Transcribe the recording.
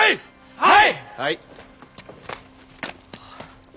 はい。